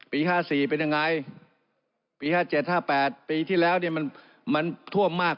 ๕๔เป็นยังไงปี๕๗๕๘ปีที่แล้วเนี่ยมันท่วมมาก